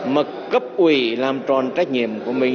mà cấp quỷ làm tròn trách nhiệm của mình